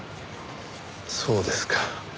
そうですか。